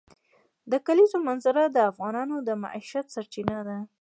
د کلیزو منظره د افغانانو د معیشت سرچینه ده.